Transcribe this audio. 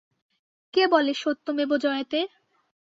কে বলে সত্যমেব জয়তে?